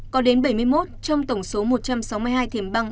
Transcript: có đến bảy mươi một trong tổng số một trăm sáu mươi hai thiềm băng